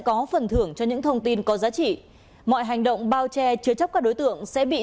có phần thưởng cho những thông tin có giá trị mọi hành động bao che chứa chấp các đối tượng sẽ bị